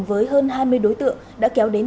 với hơn hai mươi đối tượng đã kéo đến